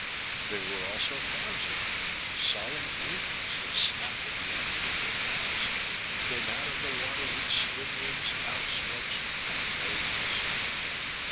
There were also frogs there, solemn green ones that snapped at the artificial flies and came out of the water with slim limbs outstretched and belly glistening.